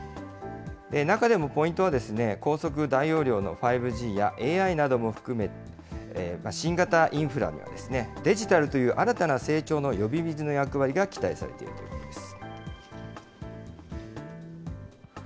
中でもポイントは、高速大容量の５ＧやＡＩなども含め、新型インフラには、デジタルという新たな成長の呼び水の役割が期待されています。